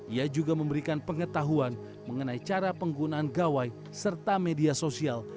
ia juga memberikan pengetahuan mengenai cara penggunaan gawai serta media sosial